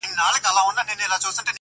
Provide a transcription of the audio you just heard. له پروازه وه لوېدلي شهپرونه -